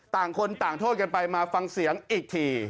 ต่างคนต่างโทษกันไปมาฟังเสียงอีกที